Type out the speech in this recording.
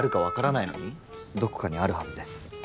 どこかにあるはずです